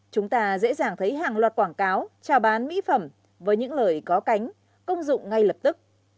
chúng ta dễ dàng thấy hàng loạt quảng cáo trào bán mỹ phẩm với những lời có cánh công dụng ngay lập tức